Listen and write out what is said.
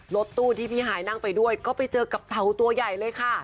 รถตู้ที่พี่ฮายนั่งไปด้วยก็ไปเจอกับเต่าตัวใหญ่เลยค่ะ